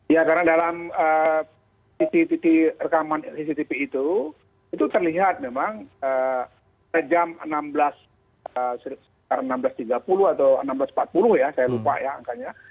ya karena dalam titik titik rekaman cctv itu itu terlihat memang jam enam belas tiga puluh atau enam belas empat puluh ya saya lupa ya angkanya